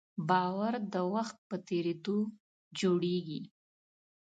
باور د وخت په تېرېدو جوړېږي.